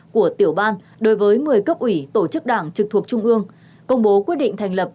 của tiểu ban đối với một mươi cấp ủy tổ chức đảng trực thuộc trung ương công bố quyết định thành lập